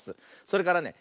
それからね